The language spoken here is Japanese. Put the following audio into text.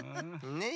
ねえ。